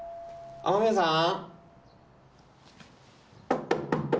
雨宮さーん。